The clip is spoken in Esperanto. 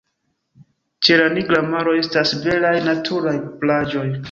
Ĉe la Nigra Maro estas belaj naturaj plaĝoj.